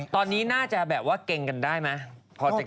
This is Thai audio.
ตอนนี้น่าจะแบบว่าเก่งกันได้ไหม